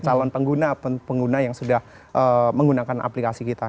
calon pengguna pengguna yang sudah menggunakan aplikasi kita